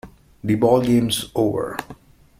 The Ball Game's over!